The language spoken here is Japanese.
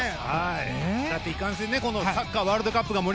いかんせんサッカーワールドカップ